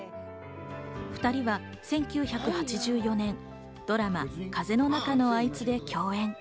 ２人は１９８４年ドラマ『風の中のあいつ』で共演。